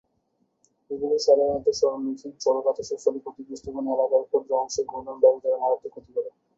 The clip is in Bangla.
এগুলো সাধারণত সরল-রৈখিক ঝড়ো বাতাসের ফলে ক্ষতিগ্রস্ত কোন এলাকার ক্ষুদ্র অংশে ঘূর্ণন বায়ু দ্বারা মারাত্মক ক্ষতি করে।